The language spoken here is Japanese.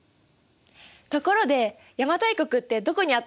ところで邪馬台国ってどこにあったの？